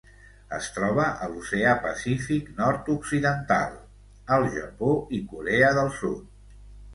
Es troba a l'Oceà Pacífic nord-occidental: el Japó i Corea del Sud.